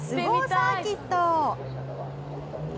サーキット。